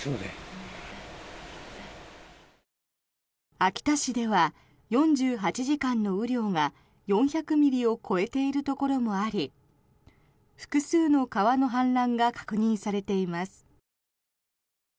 秋田市では４８時間の雨量が４００ミリを超えているところもあり複数の川の氾濫が確認されています。